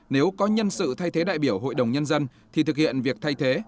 nếu có nhân sự thay thế đại biểu hội đồng nhân dân thì thực hiện việc thay thế